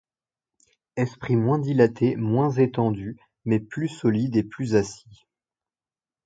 Esprit moins dilaté, moins étendu mais plus solide et plus assis.